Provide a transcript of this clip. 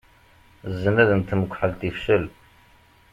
Zznad n tmekḥelt ifcel.